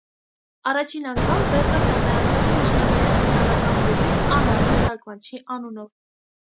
Առաջին անգամ վեպը հրատարակվել է միջնադարյան իտալական վեպի անանուն թարգմանչի անունով։